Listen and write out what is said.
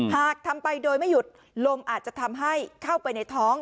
หากทำไปโดยไม่หยุดลมอาจจะทำให้เข้าไปในท้อง